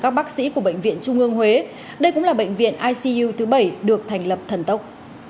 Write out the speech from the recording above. các bác sĩ của bệnh viện trung ương huế đây cũng là bệnh viện icu thứ bảy được thành lập thần tốc